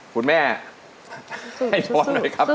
คุณแม่ให้โชว์หน่อยครับ